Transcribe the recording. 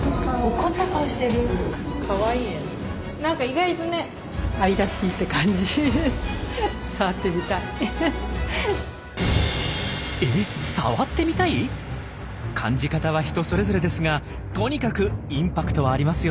感じ方は人それぞれですがとにかくインパクトはありますよね。